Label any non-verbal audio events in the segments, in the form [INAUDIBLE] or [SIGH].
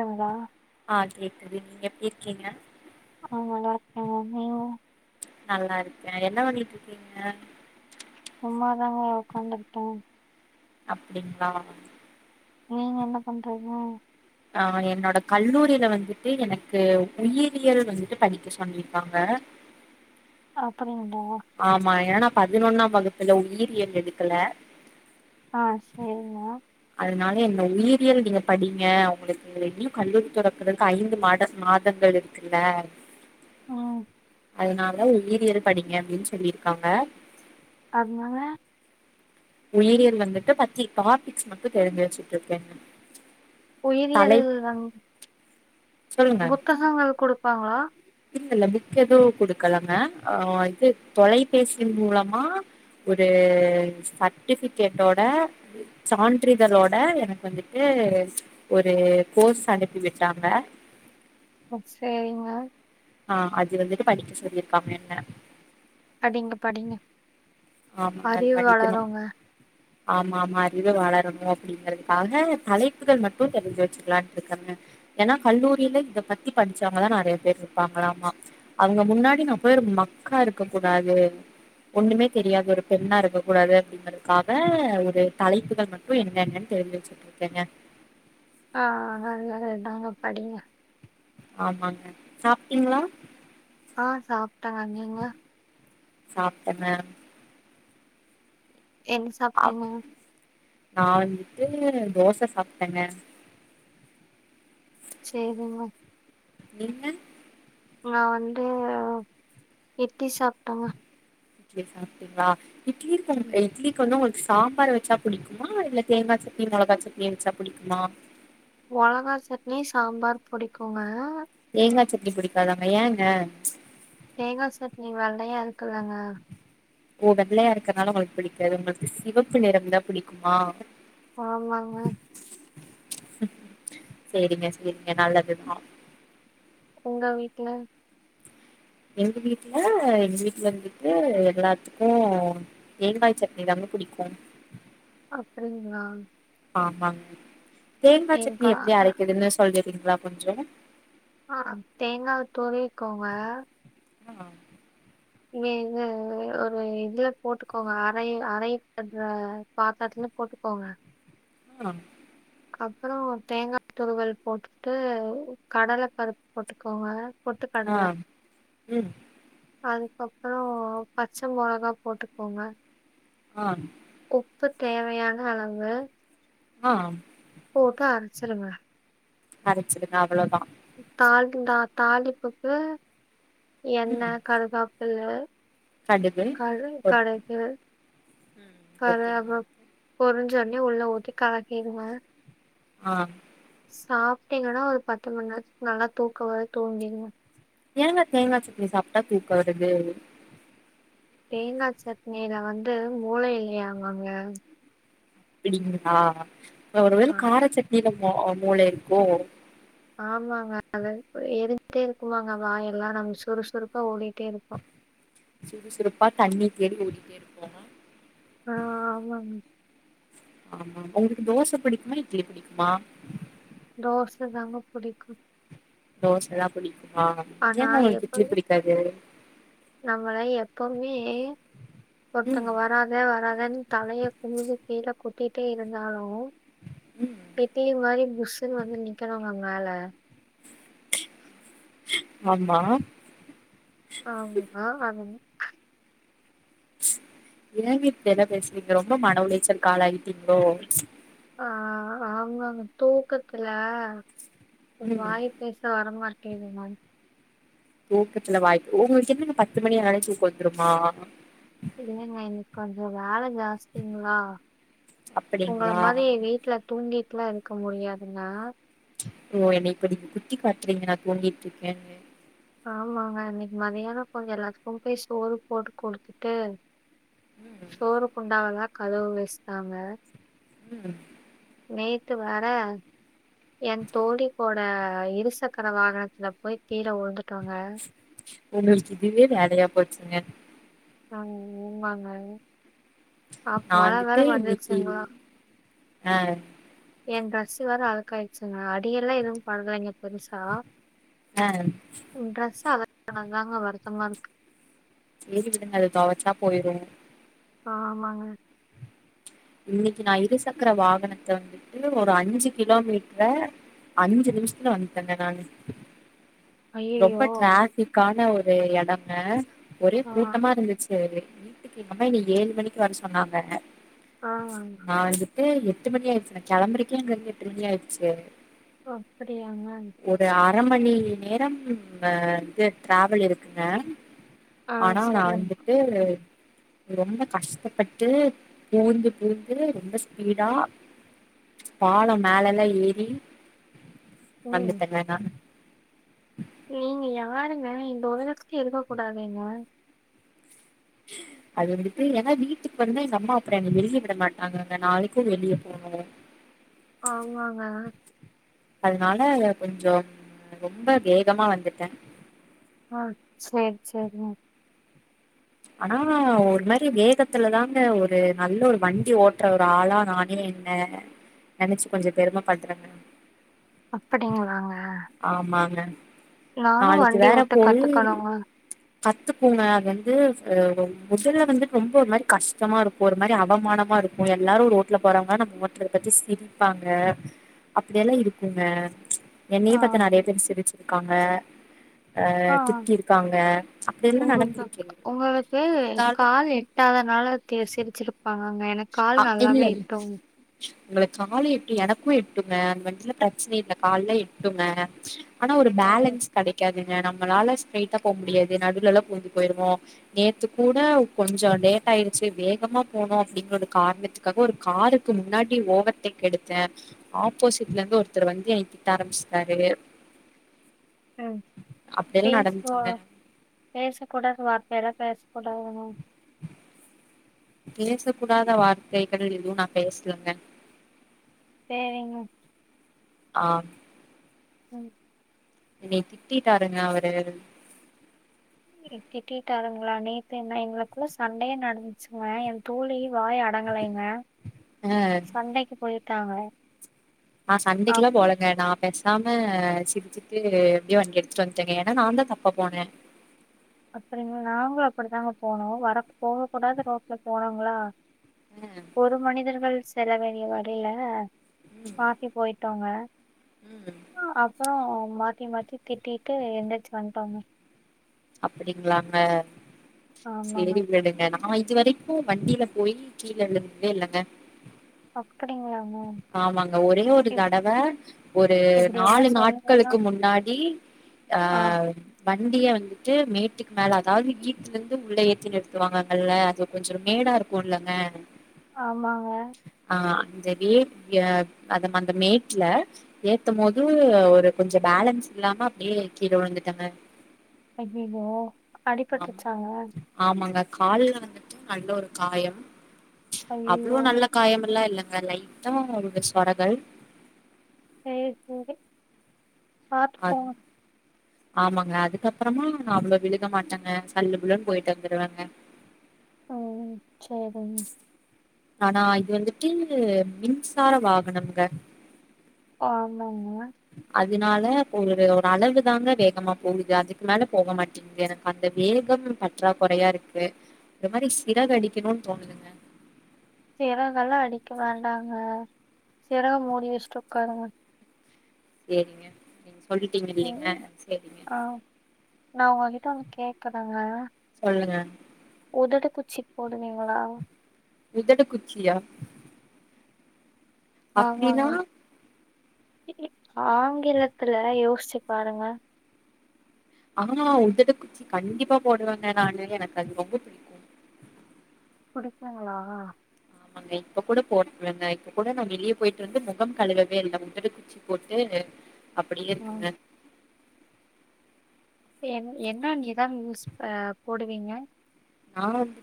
ங்களா ஆ கேக்குது நீங்க எப்டி இருக்கிங்க நா நல்லாருக்கேங்க நீங்க நல்லாருக்கே என்ன வண்ணிட்ருக்கிங்க சும்மாதாங்க உக்காந்துருக்கே அப்டிங்ளா நீங்க என்ன பண்றீங்க ஆஹ் என்னோட கல்லூரியில வந்துட்டு எனக்கு உயிரியல் வந்துட்டு படிக்க சொல்லிருக்காங்க அப்றே ஆமா ஏன்னா நா பதினொன்னாம் வகுப்புல உயிரியல் எடுக்கல ஆ சேரிங்க அதனால என்ன உயிரியல் நீங்க படிங்க உங்களுக்கு இனியு கல்லூரி தொறக்குறதுக்கு ஐந்து மாத மாதங்கள் இருக்குல உம் அதுனால உயிரியல் படிங்க அப்டினு சொல்லிருக்காங்க அதுனால உயிரியல் வந்துட்டு பத்தி டாபிக்ஸ் மட்டு தெரிஞ்சு வச்சுட்ருக்கேங்க உயிரியல் வந்து சொல்லுங்க புத்தகங்கள் குடுப்பாங்ளா இல்ல இல்ல புக் எது குடுக்கலங்க ஆஹ் இது தொலைபேசியின் மூலமா ஒரு சர்டிபிகேட்டோட சான்றிதழோட எனக்கு வந்துட்டு ஒரு கோர்ஸ் அனுப்பி விட்டாங்க ஆ சேரிங்க ஆஹ் அது வந்துட்டு படிக்க சொல்லிருக்காக என்ன படிங்க படிங்க ஆமாங்க அது அறிவு படிக்கணு வளருங்க ஆமா ஆமா அறிவு வளரணு அப்டிங்கறதுக்காக தலைப்புகள் மட்டு தெரிஞ்சு வச்சுக்கலான்டுருக்கேங்க ஏன்னா கல்லூரில இத பத்தி படிச்சவுங்கதா நெறைய பேர் இரு ப்பாங்களாமா அவுங்க முன்னாடி நா போய் ஒரு மக்கா இருக்க கூடாது ஒண்ணுமே தெரியாது ஒரு பெண்ணா இருக்க கூடாது அப்டிங்கறதுக்காக ஒரு தலைப்புகள் மட்டு என்னென்னனு தெரிஞ்சு வச்சுட்ருக்கேங்க ஆஹ் அது அதாங்க படிங்க ஆமாங்க சாப்டீங்ளா ஆஹ் சாப்ட்டேங்க நீங்க சாப்ட்டே மேம் என்ன சாப்ட்டீங்க நா வந்துட்டு தோச சாப்ட்டேங்க சேரிங்க நீங்க நா வந்து எப்பி சாப்ட்டேங்க இட்லி சாப்டீங்ளா இட்லி கொணக் இட்லிகு வந்து ஒங்ளுக் சாம்பார் வச்சா புடிக்குமா இல்ல தேங்கா சட்னி மொளகா சட்னி வச்சா புடிக்குமா மொளகா சட்னி சாம்பார் புடிக்குங்க ஏங்கா சட்னி புடிக்காதாங்க ஏங்க தேங்கா சட்னி வெள்ளையா இருக்குலங்க ஓ வெள்ளையா இருக்கனால ஒங்ளுக்கு புடிக்காது ஒங்ளுக்கு சிவப்பு நிறம் தா புடிக்குமா ஆமாங்க சேரிங்க சேரிங்க நல்லதுதா உங்க வீட்ல எங்க வீட்ல எங்க வீட்ல இருந்துட்டு எல்லாத்துக்கு தேங்காய் சட்னி தாங்க புடிக்கு அப்டிங்ளா ஆமாங்க தேங்கா சட்னி எப்டி அ அரைக்குதுன்னு சொல்றிங்களா கொஞ்ஜோ ஆஹ் தேங்காய் துரிக்கோங்க ஆஹ் இ இ ஒரு இதுல போட்டுக்கோங்க அரை அரைப்படுற பாத்திரத்துலும் போட்டுக்கோங்க ஆஹ் அப்புறம் தேங்காய் துருவல் போட்டுட்டு கடலை பருப்பு போட்டுக்கோங்க பொட்டுக்கடல. ஆஹ் உம் அதுக்கப்புறம் பச்சை மொளகா போட்டுக்கோங்க ஆஹ் இப்ப தேவையான அளவு ஆஹ் போட்டு அரைச்சருங்க அரைச்சுடுங்க அவ்வளோதான் தால்டா தாலிபுக்கு என்ன ம் கதுகாப்பு சொல்லு கடுகு கடு போட்டுக்கணு கடுகு கற ஓகேங்க அப்பு ஓகே பொரிஞ்சோனே உள்ள ஊத்தி கலக்கிடுங்க ஆஹ் சாப்ட்டீங்கன்னா ஒரு பத்து மணி நேரத்துக்கு நல்லா தூக்கம் வரு தூங்கிடுங்க ஏங்க தேங்காய் சடனி சாப்பிட்டா தூக்க வருது தேங்காய் சட்னியில வந்து மூளை இல்லையாங்கங்க அப்டிங்களா ஒரு வேள அ காரச்சட்டினில மூளை இருக்கோ ஆமாங்க அது எரிஞ்சிட்டே இருக்குமாங்க வாயெல்லாம் நம்ம சுறுசுறுப்பா ஓடிட்டே இருப்போம் சுறுசுறுப்பா தண்ணிர் தேடக ஓடிட்டே இருப்போம் ஆஹ் ஆமாமா ஆமா உங்களுக்கு தோசை பு டிக்குமா இட்லி புடிக்குமா தோசை தாங்க புடிக்கும் தோசை தான் புடிக்கும் ஆஹ் ஏங்க உங்களுக்கு இட்லி எப்பவுமே பிடிக்காது சொல்லியே ம் ஒருத்தங்க வராத வராதேன்னு தலையை குனுஞ்சு கீழே குத்து ட்டிட்டே இருந்தாலும் ம் [UNINTELLIGIBLE] புசுன்னு வந்து நிக்கணுமாங்க மேல ஆமா ஆமா அது [UNINTELLIGIBLE] ஏங்கிட் என்ன பேசிறீங்க. ரொம்ப மன உளைச்சலுக்கு ஆளாயிட்டீங்ளோ? ஆஹ் அமாங்க தூக்கத்ல ம் வாய் பேச வரமாட் கே வி மான் தூக்கத்ல வாய் ஒங்களுக்கு என்னங்க பத்து மணி ஆனோன்னே தூக்கோ வந்ருமா? [UNINTELLIGIBLE] ஜாஸ்திங்ளா, உங்கள அப்படிங்களா மாரி ஏ வீட்ல தூங்கிட் டுலா இருக்க முடியாதுங்க ஓ என்னை இப்ப நீங்க குத்தி காட்றீங்க நா தூங்கிட்ருக்கேன்னு ஆமாங்க இன்னிக்கி மத்தியானோ கொஞ்சோ எல்லாத்துக்கு போய் சோறு போட்டு குடுத்துட்டு சோறு குண்டானதா கதவு வச்சிட்டாங்க உம் விட்டு வற என் தோழி கோட ஆஹ் இரு சக்கர வாகனத்துல போய் கீழ உழுந்து டோங்க ஒங்களுக்கு இதுவே வேலையா போச்சுங்க ஆங் உமாங்க அ மழ வேற வந்துருச்சிங்ளா அ என் டிரெஸ் வேற அழுக்காய்ட்ச்சுங்ளா அடியெல்லா எதுவு படலங்க பெருசா ஆ ம் டிரெஸ்ஸு அழுக் க்காஙக தாங்க வருத்தமாருக்கு சேரி விடுங்க அது தொவச்சா போய்ரு அ ஆமாங்க இன்னிக்கி நா இரு சக்கர வாகனத்த வந்துட்டு ஒரு அஞ்சு கிலோமீட்டர அஞ்சு நிமிஷத்ல வந்துட்டேங்க நானு ஐயோ ரொம்ப டிராபிக்கா என்ன ஒரு எடங்க? ஒரே ஆ கூட்டமா இருந்துச்சு இல் வீட்டுக்கு வா [INAUDIBLE] இன்னிக்கி ஏழு மணிக்கி வர சொன்னாங்க ஆஹ் ஏ எட்டு மணி ஆயிட்ச்சி நா கெளம்பறக்கே அங்கருந்து எட்டு மணி ஆயிட்ச்சு ஓ அப்டியாங்க அரை மணி நேரம் ம் இது டிராவல் இருக்குங்க ஆ ஆனா நா சொல்லுங்க வந்துட்டு ரொம்ப கஷ்டப்பட்டு பூந்து பூந்து ரொம்போ ஸ்பீடா பாலோ மேலல்லா ஏறீ வந்துட்டங்க நா நீங்கியா பாருங்க இந்த உலகத்தல இருக்க குடாதுங்கே அது வந்துட்டூ ஏனா வீட்டுக் வந்து எங்க அம்மா அப்புறம் என்ன வெளியே விட மாட்டாங்கங்க நாளிக்கு வெளியே போனும் ஆமாங்க அதனாலே கொஞ்சொம் ரொம்பொ வேகமா வந்துட்டே ஆஹ் சேர் சேரி ஆனா ஒரு மாரி வேகத்துலதாங்க ஒரு நல்ல ஒரு வண்டி ஓட்டுற ஒரு ஆளா நானே என்ன நெனச்சு கொஞ்சொ பெருமெ பட்றேங்கெ அப்படிங்களாங்க ஆமாங்க நானு நாளைக்கு வண்டி ஓட்ட கத்துக்கணூங்க கத்துக்கோங்க அது வன் தூ முதல்ல வந்துட் ரொம்போ ஒர் மாரி கஷ்டமாருக்கு ஒரு மாரி அவமானமாருக்கு எல்லாரு ரோட்ல போறாங்க நம்ம ஓட்டு பத்தி சிரிப்பாங்க அப்டியெல்லாருக்குங்க என்னையே ஆ பாத்து நிறய பேர் சிரிச்சிருக்க காங்கே ஆ அஹ் திட்திருக்காங்க அப்டியல்லா நடந்திருக்கே உங்களுக்கூ கால் எட்டாதனால தெ சிரிச்சுருப் பாங்கங்க எனக் கால் நல்லாவே எட்டும் உங்களுக் காலு எட்டு எனக்கு எட்டுங்கே அந்த வண்டில பிரச்னெ இல்லெ கால்லா எட்டுங்க அனா ஒரு ம் பேலன்ஸ் கெடக்காது நம்மளால ஸ்ரைட்டா போ முடியாது நடுலலா பூந்து போயிருவோ நேத்து கூட கொஞ்சொ லேட்டாயிடுச்சு வேகமா போனோ டிங்னொன்னு கார்ணத்துக்காக ஒரு காருக்கு முன்னாடி ஓவர் டேக் எடுத்தேன் ஆப்போசிட்லந்து ஒருத்தர் வந்து என்ன திட்டாரம்பிச்ட்டாரூ உம் பேஸ்வா பேச கூட வார்பெறா பேஸ் கூடாதாணெ பேசக் குடாத வார்த்தைகள் எதுவு நா பேஸ்லங்கெ சேரிங்கெ ஆஹ் உம் என்னைய திட்டிடாருங்க அவரூ திட்டிடாருங்களா நேத்து என்ன எங்களுக்கள்ள சண்டயே நடந்துச்சுங்க என் தோழியு வாயடங்கலைங்க சண்டைக்கு போயி டாங்க ஆஹ் சண்டெக்குலா போலங்கெ நா பெசாமே சிரிச்சிட்டே எப்டியோ வண்டி எடுத்துட்டு வன்ட்டேங்கெ ஏனா நான்தா தப்பா போனே அப்படிங் நாங்கோ அப்படிதாங்க போனோ வரப் போக கூடாது ரோட்ல போனாங்களா ம் ஒரு மனிதர்கள் செல்ல வேண்டிய வருல மாத்தி போய்ட் ட்டோங்க உம் அப்றோ மாத்தி மாத்தி திட்டிட்டு எந்திரிச்சு வன்டாங்க அப்டிங்ளாங்க ஆமாங்க சேரி விடுங்க ஆஹ் இதுவரைக்கு வண்டியில போய் கீழ விழுந்ததே இல்லங்க ஓக் ஆமாங்க ஒரே ஒரு இப் தடவ ஒரு இப்டியெல்லா நாலு சொன்னீங்கன்னா நாட்களுக்கு முன்னாடி ஆ ஆஹ் வண்டிய வந்துட்டு மேட்டுக்கு மேல அதாது வீட்டுல இருந்து உள்ள ஏத்தி நிருத்துவாங்ககல்ல அது கொஞ்ஜோ மேடா இருக்கு இல்லங்க ஆமாங்க அந்த [UNINTELLIGIBLE] அந்த மேட்ல ஏத்தும் போது ஒரு கொஞ்ஜோ பேலன்ஸ் இல்லாம அப்டியே கீழ விழுந்துடோங்க ஐயயோ அடிபட்ருச்சாங்க ஆமாங்க கால்ல வந்துட்டு நல்ல ஒரு காயம் அவ்ளோ ஐயய்யோ! நல்ல காயம்லா இல்லங்க அலை [UNINTELLIGIBLE] சொரகள் சேரி சேரி பாத்துப் அது போங்க ஆமாங்க அதுக்கப்றமா நா அவ்ளோ விழுக மாட்டேங்க சல்லு புள்ளுன்னு பொயிட்டு வந்துருவேங்க உம் சேரிங்க ஆனா இது வந்துட்டு மின்சார வாகனம்ங்க ஆமாங்க அதனால ஒரு ஒரு அளவு தாங்க வேகமா போகுது அதுக்கு மேல போக மாட்டிங்து எனக்கு அந்த வேகம் பற்றாக்குறையா இருக்கு அந்த மாரி சிறகு அடிக்கணுனு தோணுதுங்க சிறகுலா அடிக்க வேண்டா சேரிங்க நீங்க சொல் சொல்லிட்டீங்க இல்லைங்க சேரிங்க நா ஒங்கிட்ட ஒன்னு கேக்குறாங்க சொல்லுங்க உதடு குச்சி போடுவீங்களா உதடு குச்சியா அப்டின்னா ஆமாங்க. ஆங்கிலத்துல யோசிச்சு பாருங்க ஆஹ் உதடு குச்சி கண்டிப்பா போடுவேங்க நானு எனக்கு அது ரொம்ப புடிக்கு புடிக்குங்ளா அங்க இப்ப கூட போட்டுட்டு வந்தே இப்ப கூட நா வெளிய பொயிட்டு வந்து முகம் கழுவவே இல்ல உதடு குச்சி போட்டு அப்டியே ம். இருக்குங்க என் என்ன நீ எதா யூஸ்புற போடுவீங்க நா வந்து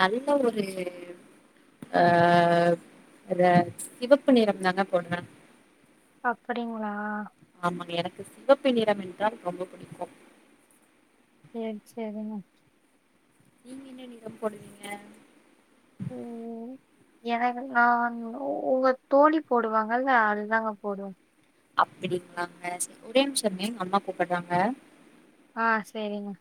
நல்ல ஒரு ஆஹ் இது சிவப்பு நிறம் தாங்க போடுவே அப்படிங்ளா இந்த சிவப்பு நிறம் என்றால் ரொம்ப புடிக்கு சேரி சேரிமா நீங்க என்ன நிறம் போடுவீங்க ம் எனக்கு நா உங்க தோழி போடுவாங்கல்ல அதுதாங்க போடுவ அப்படிங்களாங்க ஒரே நிமிஷோ இருங்க எங்க அம்மா கூப்பிடறாங்க ஆ சேரிங்க